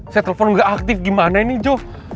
saya telepon gak aktif gimana ini jof